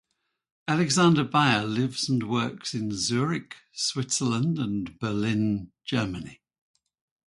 Alexander Beyer lives and works in Zurich, Switzerland and Berlin, Germany.